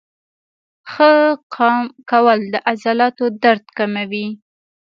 ښه قام کول د عضلاتو درد کموي.